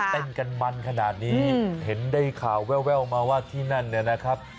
เต้นกันมันขนาดนี้เห็นได้ข่าวแววมาว่าที่นั่นเนี่ยนะครับ